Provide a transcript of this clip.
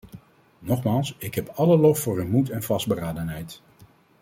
Nogmaals, ik heb alle lof voor hun moed en vastberadenheid.